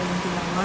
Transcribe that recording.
jadi saya juga